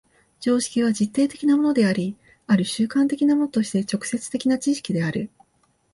常識は実定的なものであり、或る慣習的なものとして直接的な知識である。